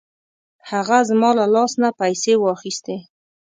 هغه زما له لاس نه پیسې واخیستې.